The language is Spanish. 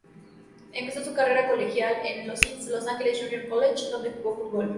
Empezó su carrera colegial en la East Los Angeles Junior College donde jugó fútbol.